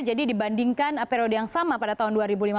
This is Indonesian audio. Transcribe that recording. jadi dibandingkan periode yang sama pada tahun dua ribu lima belas